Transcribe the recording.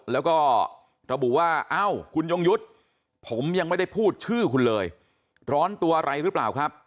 แล้วก็ระบุว่าเอ้าคุณยงยุทธ์ผมยังไม่ได้พูดชื่อคุณเลยร้อนตัวอะไรหรือเปล่าครับ